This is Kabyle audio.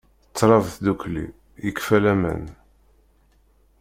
Trab tdukli, yekfa laman.